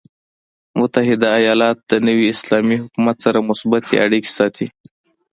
متحده ایالات د نوي اسلامي حکومت سره مثبتې اړیکې ساتي.